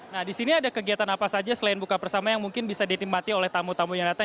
nah di sini ada kegiatan apa saja selain buka bersama yang mungkin bisa dinikmati oleh tamu tamu yang datang